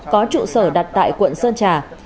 có trụ sở đặt tại quận sơn trà